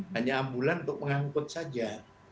hanya ambulan untuk mengangkut saja